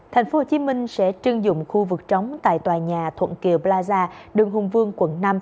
thành phố hồ chí minh sẽ trưng dụng khu vực trống tại tòa nhà thuận kiều plaza đường hùng vương quận năm